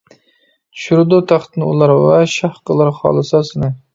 چۈشۈرىدۇ تەختتىن ئۇلار، ۋە شاھ قىلار خالىسا سېنى.